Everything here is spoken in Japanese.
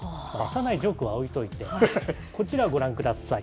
ジョークは置いといて、こちらをご覧ください。